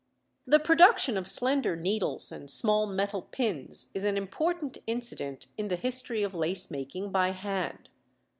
The production of slender needles and small metal pins is an important incident in the history of lace making by hand.